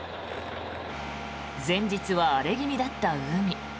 前日は荒れ気味だった海。